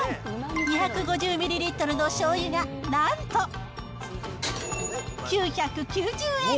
２５０ミリリットルのしょうゆが、なんと９９０円。